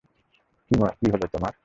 কী হলো তোমার?